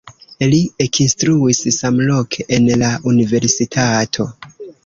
Li ekinstruis samloke en la universitato.